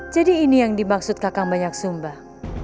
jadi ini yang dimaksud kakang banyak sumbah